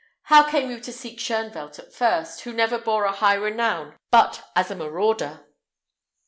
How came you to seek Shoenvelt at first, who never bore a high renown but as a marauder?"